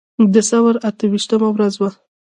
د ثور اته ویشتمه ورځ وه.